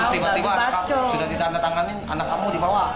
terus tiba tiba sudah ditanda tanganin anak kamu dibawa